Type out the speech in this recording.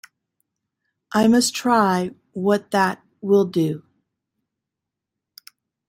I must try what that will do.